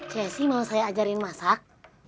cessy mau saya ajarin masak